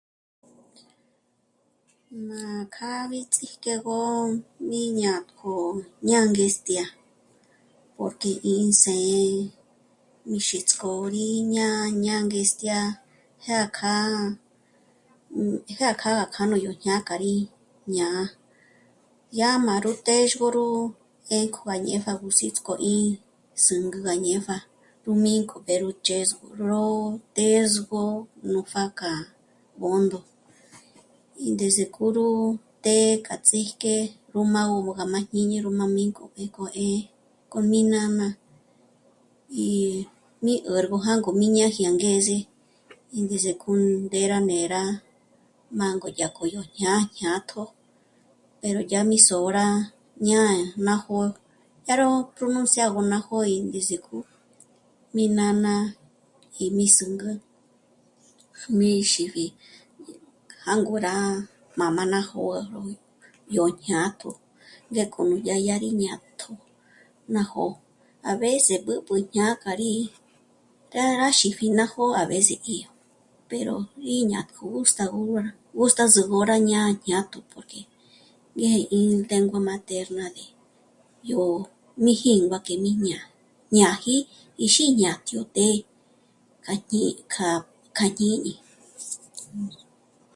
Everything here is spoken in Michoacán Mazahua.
Májk'á mí ts'íjke gó mí jñá'a ñângestjya porque ín së̌'ë mí xíts'k'ôri í jñá'a ñângestjya jâkja... jâkja k'a jú dyànga nú jñákjari ñá'a. Dyá má rú téxgö ró 'énkuájñéja rú ndíts'k'o rí zǚngü gá ñépja rú mînk'o pjéro ndzhësgö ró të̌zgö nú pjá k'a Bṓndo, índés'e k'o ró të́'ë k'a ts'íjke ró mâgö gá máj jñíni rú má 'ínk'o 'ë̀kjo 'ë̀'ë k'o mí nána y mí 'érgö jângo mí ñáji angeze ìndes'e k'u ndé rá mé'e rá mângö dyájkjo k'o yó jñá'a jñátjo pero yá mi sö̌ra ñá'a ná jó'o k'a gó 'ó pronunciago ná jó'o índes'e k'o mí nána y mí zǚngü jmí xípji jângo rá jmā́jma ná jó'o yó jñátjo dyáko yó yá gí ñá'a jñátjo ná jó'o, a veces b'ǚb'ü jñá k'a rí târá xípji ná jó'o a veci y pero jñá gusta gustazago jñô rá jñá'a jñátjo porque ngéji índéngua materna ki yó mí jíngua kje mí jñáji íxíjñátjyo të́'ë kja... kja jñíni